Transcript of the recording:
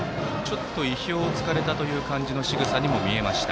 意表を突かれた感じのしぐさにも見えました。